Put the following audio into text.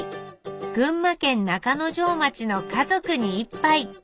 群馬県中之条町の「家族に一杯」